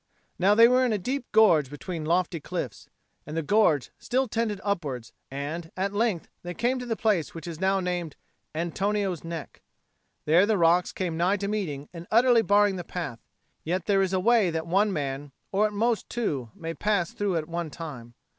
Now they were in a deep gorge between lofty cliffs; and the gorge still tended upwards; and at length they came to the place which is now named "Antonio's Neck." There the rocks came nigh to meeting and utterly barring the path; yet there is a way that one man, or at most two, may pass through at one time.